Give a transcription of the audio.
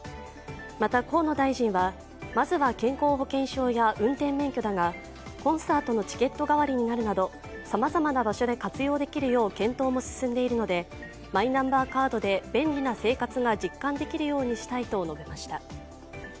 また、河野大臣はまずは健康保険証や運転免許だがコンサートのチケット代わりになるなど、さまざまな場所で活用できるよう検討も進んでいるのでマイナンバーカードで便利な生活が実感できるようにしたいと述べました。